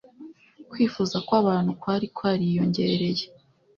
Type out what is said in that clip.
kwifuza kwabantu kwari kwariyongereye